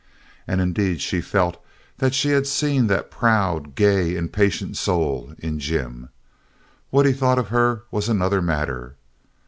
And indeed she felt that she had seen that proud, gay, impatient soul in Jim. What he thought of her was another matter.